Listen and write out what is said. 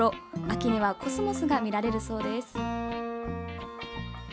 秋にはコスモスが見られるそうです。